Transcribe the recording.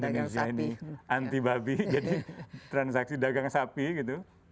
indonesia ini anti babi jadi transaksi dagang sapi gitu